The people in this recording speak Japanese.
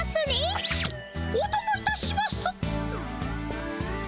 おともいたします。